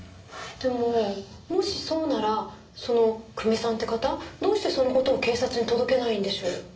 でももしそうならその久米さんって方どうしてその事を警察に届けないんでしょう？